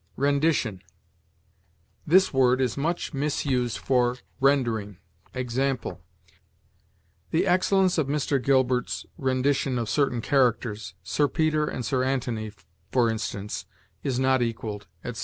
RENDITION. This word is much misused for rendering. Example: "The excellence of Mr. Gilbert's rendition of certain characters, Sir Peter and Sir Antony, for instance, is not equaled," etc.